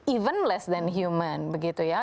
even less than human begitu ya